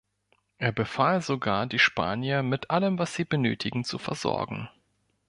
Er befahl sogar, die Spanier mit allem was sie benötigten, zu versorgen.